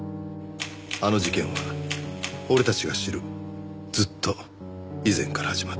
あの事件は俺たちが知るずっと以前から始まっていた